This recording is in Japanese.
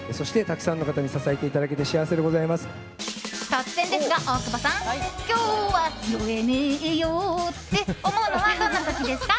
突然ですが、大久保さん！今日は酔えねえよって思うのはどんな時ですか？